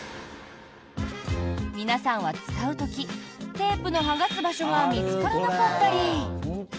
皆さんは使う時テープの剥がす場所が見つからなかったり。